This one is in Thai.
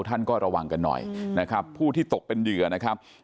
ท่านก็ระวังกันหน่อยนะครับผู้ที่ตกเป็นเหยื่อนะครับ